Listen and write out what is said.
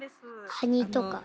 カニとか。